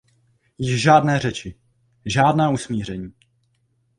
Již žádné řeči; žádná usmíření.